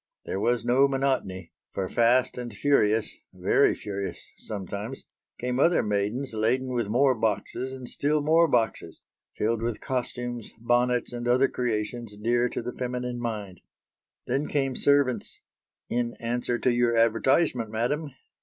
There was no monotony, for fast and furious very furious sometimes came other maidens laden with more boxes and still more boxes, filled with costumes, bonnets, and other creations dear to the feminine mind. Then came servants "in answer to your advertisement, madam."